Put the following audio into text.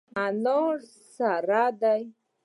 انار سره دي.